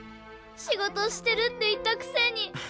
しごとしてるって言ったくせに。